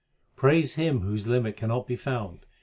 Praise Him whose limit cannot be found.